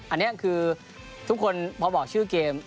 อันนี้คือทุกคนพอบอกชื่อเกม